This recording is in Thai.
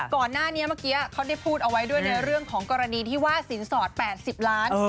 ก่อนหน้านี้เมื่อกี้เขาได้พูดเอาไว้ด้วยในเรื่องของกรณีที่ว่าสินสอด๘๐ล้าน